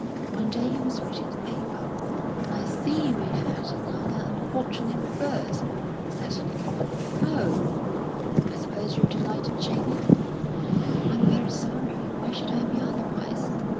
One day he was reading the paper. "I see we've had another unfortunate reverse," he said, looking up. "Oh!" "I suppose you're delighted, Jamie?" "I'm very sorry. Why should I be otherwise?"